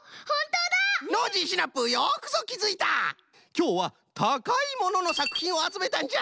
きょうは「たかいもの」のさくひんをあつめたんじゃ！